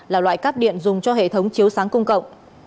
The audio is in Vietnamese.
là loại cắp điện dùng cho hệ thống chiếu sáng công cộng